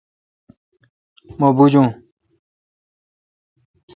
مہ بوجون۔